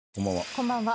こんばんは。